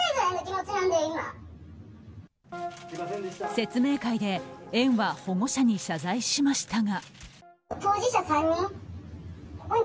説明会で園は保護者に謝罪しましたが。